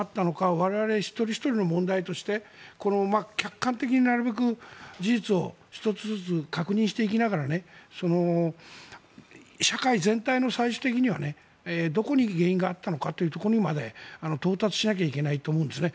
我々一人ひとりの問題として客観的になるべく事実を１つずつ確認していきながら社会全体の、最終的にはどこに原因があったのかというところにまで到達しなければいけないと思うんですね。